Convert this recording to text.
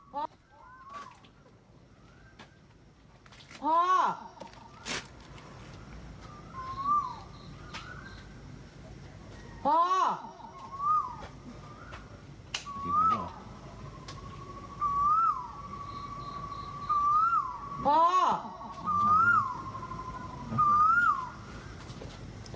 พ่อพ่อพ่อ